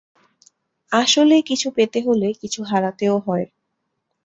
আসলে, কিছু পেতে হলে কিছু হারাতেও হয়।